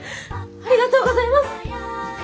ありがとうございます！